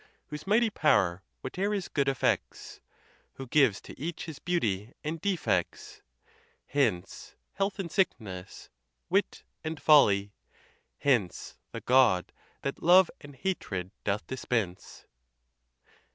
157 Whose mighty power whate'er is good effects, Who gives to each his beauty and defects : Hence, health and sickness; wit and folly, hence, The God that love and hatred doth dispense!